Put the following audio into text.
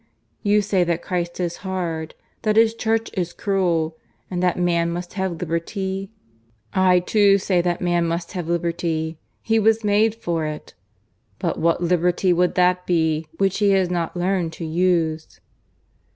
You say that Christ is hard that His Church is cruel, and that man must have liberty? I too say that man must have liberty he was made for it; but what liberty would that be which he has not learned to use?